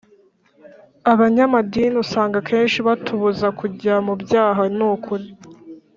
Abanyamadini usanga kenshi batubuza kujya mubyaha nukuri